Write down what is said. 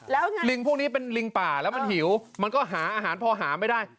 แล้วไงลิงพวกนี้เป็นลิงป่าแล้วมันหิวมันก็หาอาหารพอหาไม่ได้